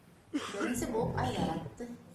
Беренсе булып Айҙар атты.